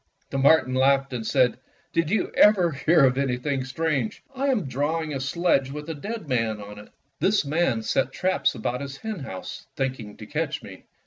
^^" The marten laughed and said: "Did you ever hear of anything so strange I am draw ing a sledge with a dead man on it. This man set traps about his henhouse, thinking to catch me.